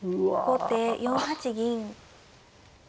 後手４八銀。